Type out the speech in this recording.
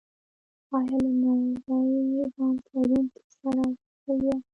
ایا له نري رنځ لرونکي سره اوسیدلي یاست؟